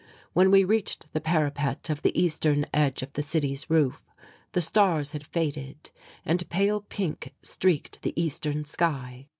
When we reached the parapet of the eastern edge of the city's roof, the stars had faded and pale pink streaked the eastern sky.